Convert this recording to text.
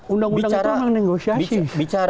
undang undang itu memang negosiasi